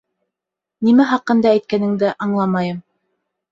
Нимә хаҡында әйткәнеңде аңламайым.